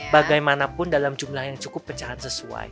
bagaimanapun dalam jumlah yang cukup pecahan sesuai